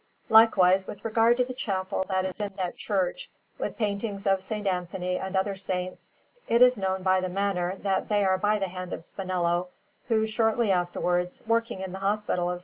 Likewise, with regard to the chapel that is in that church, with paintings of S. Anthony and other Saints, it is known by the manner that they are by the hand of Spinello, who, shortly afterwards, working in the Hospital of S.